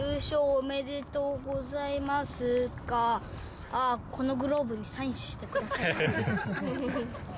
おめでとうございますか、このグローブにサインしてください。